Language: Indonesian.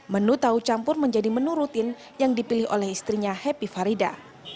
menu tahu campur menjadi menu rutin yang dipilih oleh istrinya happy farida